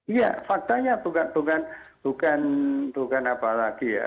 iya faktanya bukan bukan bukan apa lagi ya